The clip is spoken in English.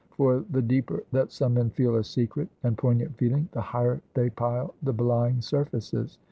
For the deeper that some men feel a secret and poignant feeling, the higher they pile the belying surfaces.